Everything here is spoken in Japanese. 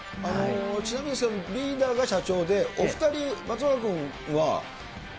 ちなみにリーダーが社長でお２人、松岡君は？